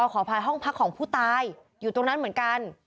ขออภัยห้องพักของผู้ตายอยู่ตรงนั้นเหมือนกัน